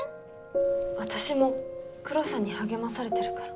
私もクロさんに励まされてるから。